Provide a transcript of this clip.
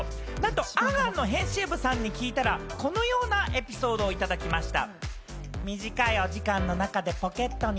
『ａｎ・ａｎ』の編集部さんに聞いたら、このようなエピソードをいただきました。